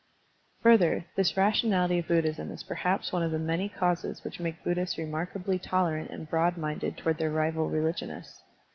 Further, this rationality of Buddhism is per haps one of the many causes which make Bud dhists remarkably tolerant and broad minded toward their rival religionists.